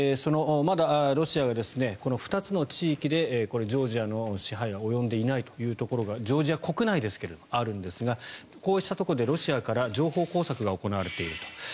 まだロシアがこの２つの地域でジョージアの支配が及んでいないというところがジョージア国内ですがあるんですがこうしたところで、ロシアから情報工作が行われていると。